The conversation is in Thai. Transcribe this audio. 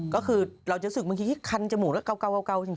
ก็คือเราจะรู้สึกเมื่อกี้คันจมูกแล้วก้าวจริง